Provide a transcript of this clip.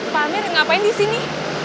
pak amir ngapain di sini